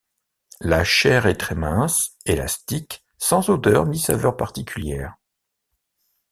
La chair est très mince, élastique sans odeur ni saveur particulière.